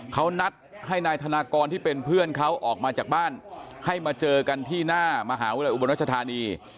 เขานัดให้นายธนากรที่เป็นเพื่อนเขาออกมาจากบ้านให้มาเจอกันที่หน้ามหาวิทยาลัยอุบลรัชธานี